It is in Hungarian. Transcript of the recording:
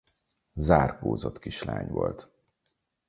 Zárkózott kislány volt.